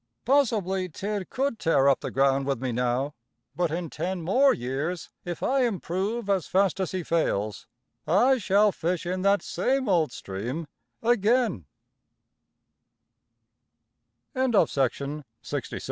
Possibly Tidd could tear up the ground with me now, but in ten more years, if I improve as fast as he fails, I shall fish in that same old stream aga